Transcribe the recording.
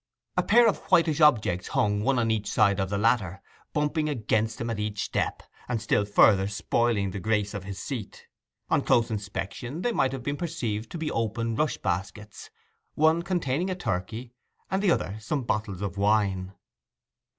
A pair of whitish objects hung one on each side of the latter, bumping against him at each step, and still further spoiling the grace of his seat. On close inspection they might have been perceived to be open rush baskets—one containing a turkey, and the other some bottles of wine.